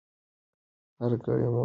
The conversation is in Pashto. هر کړۍ مهمه ده.